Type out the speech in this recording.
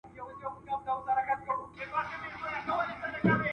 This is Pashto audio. د لارښود مهمه دنده د څېړونکي لارښوونه ده.